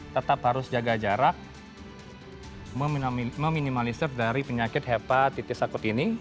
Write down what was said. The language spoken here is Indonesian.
tetap harus jaga jarak meminimalisir dari penyakit hepatitis akut ini